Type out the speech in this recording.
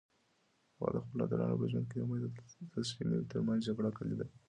هغه د خپلو اتلانو په ژوند کې د امید او تسلیمۍ ترمنځ جګړه لیده.